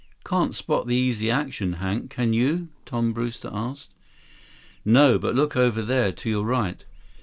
"Can't spot the Easy Action, Hank. Can you?" Tom Brewster asked. "No. But look over there. To your right.